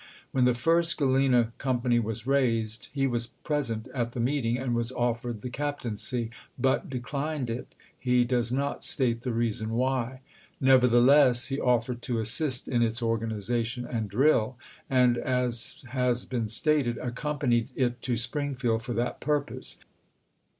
When the first Galena company was raised, he was present at the meeting, and was offered the captaincy, but de clined it — he does not state the reason why ; nevertheless he offered to assist in its organization and drill, and, as has been stated, accompanied it to Springfield for that purpose.